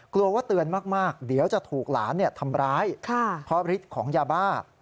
กลัวว่าเตือนมากเดี๋ยวจะถูกหลานทำร้ายเพราะฤทธิ์ของยาบ้า